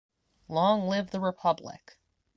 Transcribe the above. Long Live the Republic!